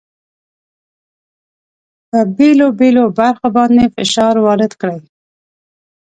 په بېلو بېلو برخو باندې فشار وارد کړئ.